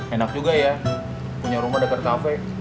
enak juga ya punya rumah dekat kafe